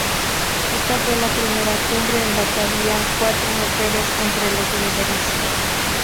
Esta fue la primera cumbre en la que había cuatro mujeres entre los líderes.